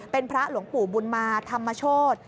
เป็นพระหลวงปู่บุญมาธรรมโชธ